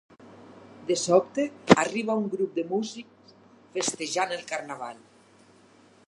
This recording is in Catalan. De sobte arriba un grup de músics festejant el carnaval.